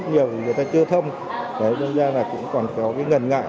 ít nhiều người ta chưa thông nên ra là cũng còn có cái ngần ngại